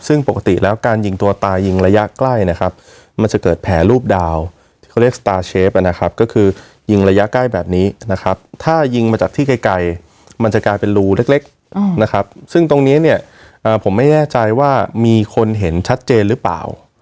ซึ่งปกติแล้วการยิงตัวตายยิงระยะใกล้นะครับมันจะเกิดแผลรูปดาวเขาเรียกสตาร์เชฟนะครับก็คือยิงระยะใกล้แบบนี้นะครับถ้ายิงมาจากที่ไกลมันจะกลายเป็นรูเล็กนะครับซึ่งตรงนี้เนี่ยผมไม่แน่ใจว่ามีคนเห็นชัดเจนหรือเปล่า